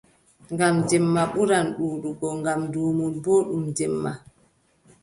Ngam jemma ɓuran ɗuuɗugo ngam duumol boo ɗum jemma.